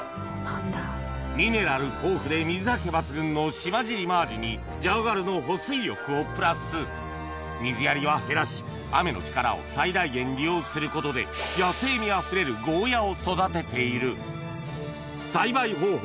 ミネラル豊富で水はけ抜群の島尻マージにジャーガルの保水力をプラス水やりは減らし雨の力を最大限利用することでを育てている栽培方法